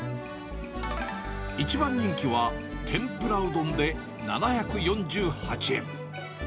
一番人気は天ぷらうどんで７４８円。